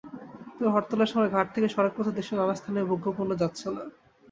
তবে হরতালের সময় ঘাট থেকে সড়কপথে দেশের নানা স্থানে ভোগ্যপণ্য যাচ্ছে না।